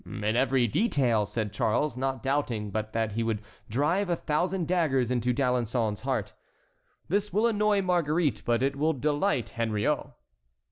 "In every detail," said Charles, not doubting but that he would drive a thousand daggers into D'Alençon's heart. "This will annoy Marguerite, but it will delight Henriot."